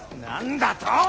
何だと！？